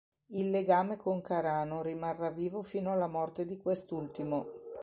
Il legame con Carano rimarrà vivo fino alla morte di quest'ultimo.